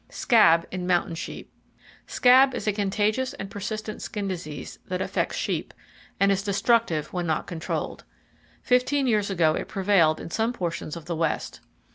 Scab In Mountain Sheep. —"Scab" is a contagious and persistent skin disease that affects sheep, and is destructive when not controlled. Fifteen years ago it prevailed in some portions of the west.